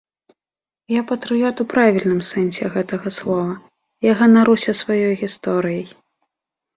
Я патрыёт у правільным сэнсе гэтага слова, я ганаруся сваёй гісторыяй.